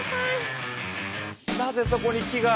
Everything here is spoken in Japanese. なぜそこに木が。